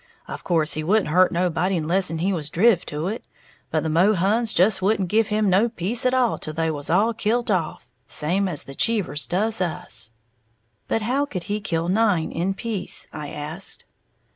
Of course he wouldn't hurt nobody less'n he was driv' to it; but the Mohuns just wouldn't give him no peace at all till they was all kilt off, same as the Cheevers does us." "But how could he kill nine in peace?" I asked.